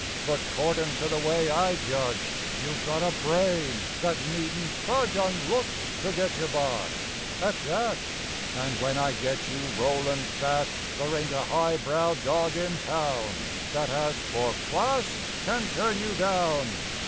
But 'cordin' to the way I judge You've got a brain that needn't fudge On looks to get you by, at that, And when I get you rollin' fat There ain't a high brow dog in town That as for "class" can turn you down!